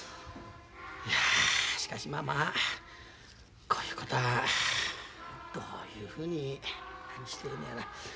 いやしかしまあまあこういうことはどういうふうになにしてええのやら。